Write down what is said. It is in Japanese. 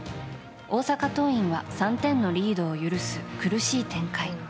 大阪桐蔭は３点のリードを許す苦しい展開。